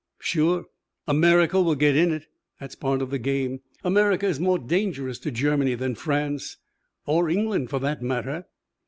"Sure. America will get in it. That's part of the game. America is more dangerous to Germany than France or England, for that matter."